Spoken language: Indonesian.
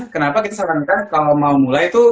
kenapa kita sarankan kalau mau mulai tuh